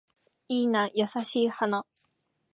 いいな優しい花